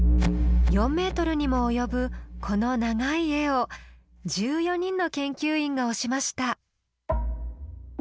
４メートルにも及ぶこの長い絵を１４人の研究員が推しました。